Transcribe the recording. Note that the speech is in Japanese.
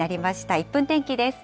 １分天気です。